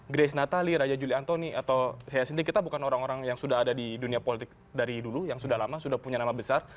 grace natali raja juli antoni atau saya sendiri kita bukan orang orang yang sudah ada di dunia politik dari dulu yang sudah lama sudah punya nama besar